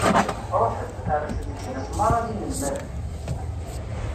Ṛuḥet, rret leǧnas meṛṛa d inelmaden.